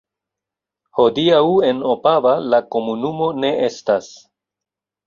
Hodiaŭ en Opava la komunumo ne estas.